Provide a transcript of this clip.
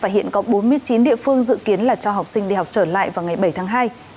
hiện có bốn mươi chín địa phương dự kiến là cho học sinh đi học trở lại vào ngày bảy tháng hai